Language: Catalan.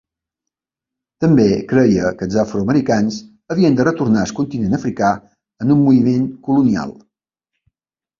També creia que els afroamericans havien de retornar al continent africà, en un moviment colonial.